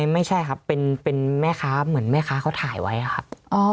ไม่ใช่ครับเป็นแม่ค้าเหมือนแม่ค้าเขาถ่ายไว้ครับ